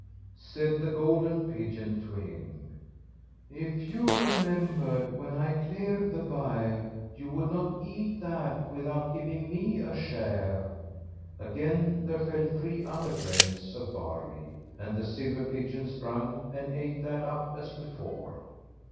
Said the golden pigeon to him, "If you remembered when I cleared the byre, you would not eat that without giving me a share." Again there fell three other grains of barley, and the silver pigeon sprung, and ate that up as before.